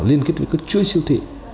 liên kết với các chuỗi siêu thị